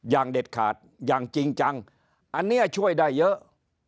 อย่างเด็ดขาดอย่างจริงจังอันนี้ช่วยได้เยอะ